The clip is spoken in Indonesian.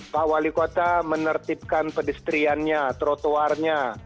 pak wali kota menertibkan pedestriannya trotoarnya